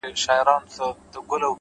• نه یې وېره د خالق نه د انسان وه ,